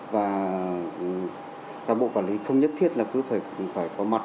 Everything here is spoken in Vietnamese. và cán bộ quản lý không nhất thiết là cứ phải có mặt